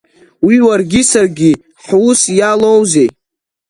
Уи уаргьы саргьы ҳусс иалоузеи?